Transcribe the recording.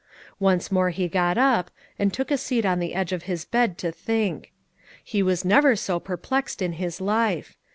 Once more he got up, and took a seat on the edge of his bed to think. He was never so perplexed in his life.